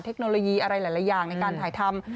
เทคโนโลยีอะไรหลายอย่างในการถ่ายทำ